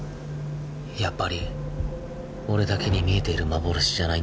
やっぱり俺だけに見えている幻じゃないんだ